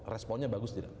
responnya bagus tidak